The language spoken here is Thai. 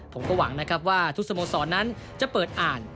ผมก็หวังนะครับว่าทุกสโมสรนั้นจะเปิดอ่าน